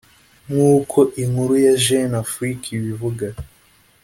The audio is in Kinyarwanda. nk’uko Inkuru ya Jeune Afrique ibivuga